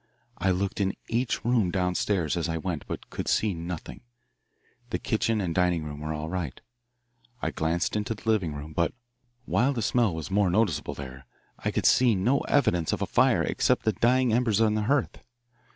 I looked in each room down stairs as I went, but could see nothing. The kitchen and dining room were all right. I glanced into the living room, but, while the smell was more noticeable there, I could see no evidence of a fire except the dying embers on the hearth.